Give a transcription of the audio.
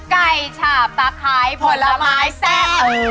ไก่ฉาบตาค้ายผ่อนร้ำไม้แซ่ง